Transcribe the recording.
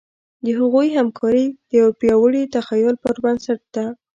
د هغوی همکاري د یوه پیاوړي تخیل پر بنسټ ده.